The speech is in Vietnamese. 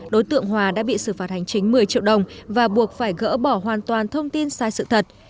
đối tượng hòa đã bị xử phạt hành chính một mươi triệu đồng và buộc phải gỡ bỏ hoàn toàn thông tin sai sự thật